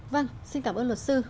vâng xin cảm ơn luật sư